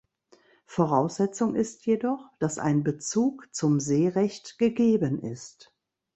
Voraussetzung ist jedoch, dass ein Bezug zum Seerecht gegeben ist.